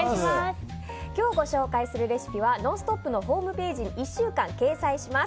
今日ご紹介するレシピは「ノンストップ！」のホームページに１週間掲載します。